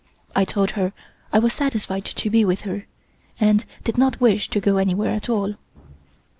I told her I was satisfied to be with her, and did not wish to go anywhere at all.